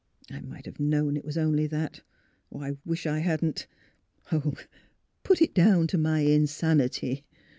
" I might have known it was only that. I wish I hadn't Oh, put it down to my insanity